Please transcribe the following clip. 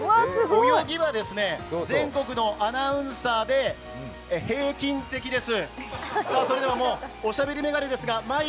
泳ぎは全国のアナウンサーで平均的です。